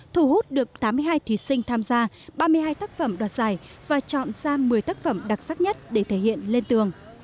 thu hút được tám mươi hai thí sinh tham gia ba mươi hai tác phẩm đoạt giải và chọn ra một mươi tác phẩm đặc sắc nhất để thể hiện lên tường